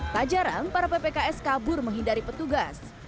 tak jarang para ppks kabur menghindari petugas